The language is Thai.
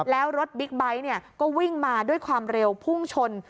แล้วรถบิ๊กไบท์ก็วิ่งมาด้วยความเร็วพุ่งชน